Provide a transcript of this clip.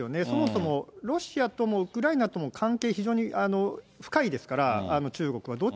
そもそもロシアともウクライナとも関係、非常に深いですから、中国は。